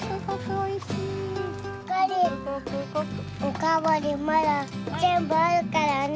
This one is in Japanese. おかわりまだぜんぶあるからね。